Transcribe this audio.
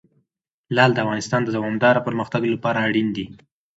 لعل د افغانستان د دوامداره پرمختګ لپاره اړین دي.